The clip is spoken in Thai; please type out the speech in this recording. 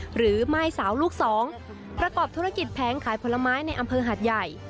ม่ายสาวลูกสองประกอบธุรกิจแผงขายผลไม้ในอำเภอหาดใหญ่